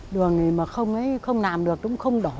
đường mà không ấy không làm được cũng không đỏ